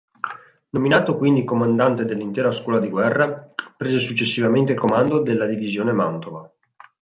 Nominato quindi comandante dell'intera scuola di guerra, prese successivamente il comando della divisione "Mantova".